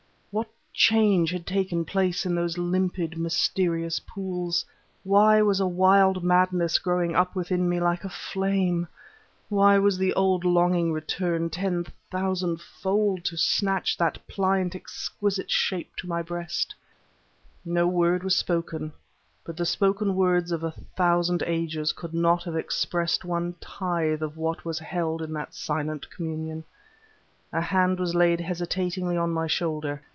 What change had taken place in those limpid, mysterious pools? Why was a wild madness growing up within me like a flame? Why was the old longing returned, ten thousandfold, to snatch that pliant, exquisite shape to my breast? No word was spoken, but the spoken words of a thousand ages could not have expressed one tithe of what was held in that silent communion. A hand was laid hesitatingly on my shoulder.